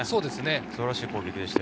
素晴らしい攻撃でした。